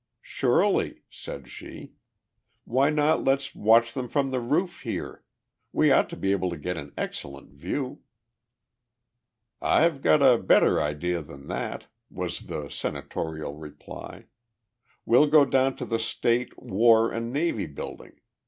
"Surely," said she. "Why not let's watch them from the roof here? We ought to able to get an excellent view." "I've got a better idea than that," was the senatorial reply. "We'll go down to the State, War, and Navy Building.